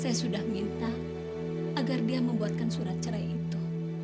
saya sudah minta agar dia membuatkan surat cerai itu